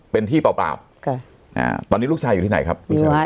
เป็นที่เปล่าเปล่าตอนนี้ลูกชายอยู่ที่ไหนครับ